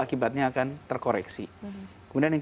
akibatnya akan terkoreksi kemudian yang